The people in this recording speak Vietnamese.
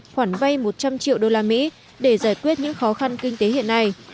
khoản vay một trăm linh triệu đô la mỹ để giải quyết những khó khăn kinh tế hiện nay